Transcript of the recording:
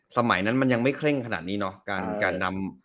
สมัยนั้นมันยังไม่เคร่งขนาดนี้เนาะการนำ